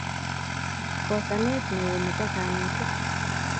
kosanet neo nepo kanetik